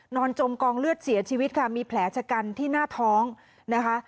จมกองเลือดเสียชีวิตค่ะมีแผลชะกันที่หน้าท้องนะคะ